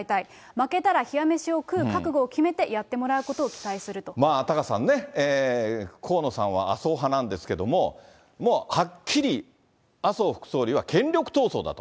負けたら冷や飯を食う覚悟を決めタカさんね、河野さんは麻生派なんですけれども、もうはっきり、麻生副総理は権力闘争だと。